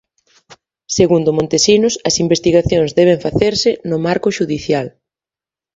Segundo Montesinos, as investigacións deben facerse "no marco xudicial".